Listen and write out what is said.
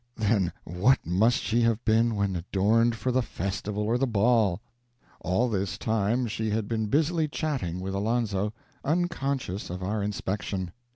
Then what must she have been when adorned for the festival or the ball? All this time she had been busily chatting with Alonzo, unconscious of our inspection.